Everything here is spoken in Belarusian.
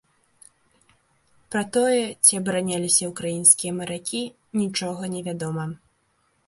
Пра тое, ці абараняліся ўкраінскія маракі, нічога невядома.